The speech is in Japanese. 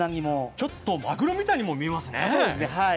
ちょっとまぐろみたいにも見えますね。